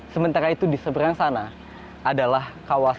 sementara itu di seberang sana adalah kawasan